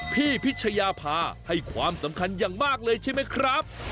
พี่พิชยาภาให้ความสำคัญอย่างมากเลยใช่ไหมครับ